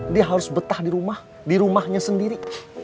dia harus betah di rumah di rumahnya sendiri